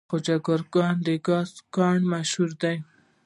د خواجه ګوګردک د ګازو کان مشهور دی.